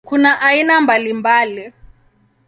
Kuna aina mbalimbali.